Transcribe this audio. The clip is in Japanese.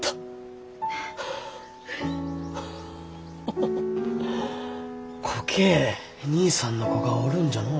ハッハハハこけえ兄さんの子がおるんじゃのう。